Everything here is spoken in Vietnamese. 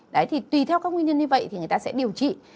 đấy thì tùy theo các nguyên nhân như vậy thì người ta sẽ điều trị